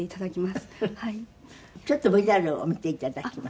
ちょっとＶＴＲを見て頂きます。